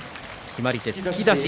決まり手、突き出し。